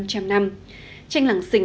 nó truyền tải những thông tin